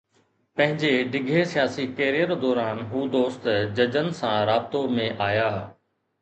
پنهنجي ڊگهي سياسي ڪيريئر دوران هو دوست ججن سان رابطو ۾ آيو.